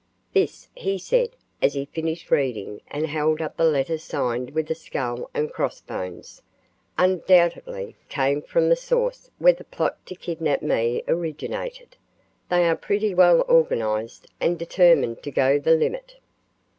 "This" he said, as he finished reading and held up the letter signed with a skull and cross bones, "undoubtedly came from the source where the plot to kidnap me originated. They are pretty well organized and determined to go the limit.